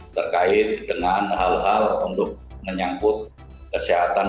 terkait dengan hal hal untuk menyangkut kesehatan